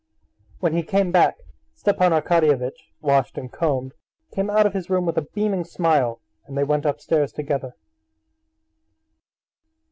When he came back, Stepan Arkadyevitch, washed and combed, came out of his room with a beaming smile, and they went upstairs together.